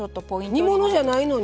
煮物じゃないのに？